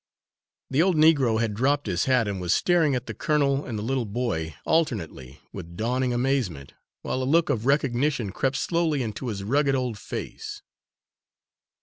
'" The old Negro had dropped his hat, and was staring at the colonel and the little boy, alternately, with dawning amazement, while a look of recognition crept slowly into his rugged old face.